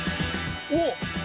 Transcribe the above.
おっ！